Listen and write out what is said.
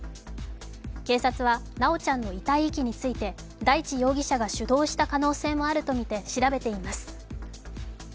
警察は修ちゃんの遺体遺棄について大地容疑者が主導した可能性もあるとみて調べています。